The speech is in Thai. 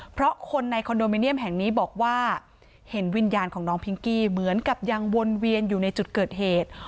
เพราะคนในคอนโดมิเนียมแห่งนี้บอกว่าเห็นวิญญาณของน้องพิงกี้เหมือนกับยังวนเวียนอยู่ในจุดเกิดเหตุ